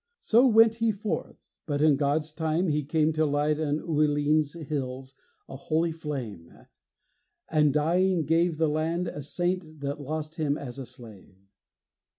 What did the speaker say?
So went he forth; but in God's time he came To light on Uilline's hills a holy flame; And, dying, gave The land a saint that lost him as a slave.